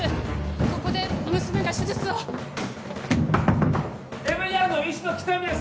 ここで娘が手術をＭＥＲの医師の喜多見です